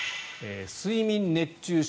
睡眠熱中症